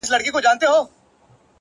• هغه په ژړا ستغ دی چي يې هيڅ نه ژړل؛